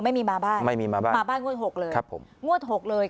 ไม่มีมาบ้านไม่มีมาบ้านมาบ้านงวดหกเลยครับผมงวดหกเลย